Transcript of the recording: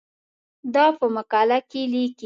دا په مقاله کې لیکې.